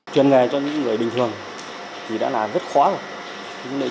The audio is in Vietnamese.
chuyên nghề cho những người bình thường thì đã là rất khó rồi